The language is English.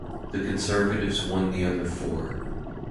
The Conservatives won the other four.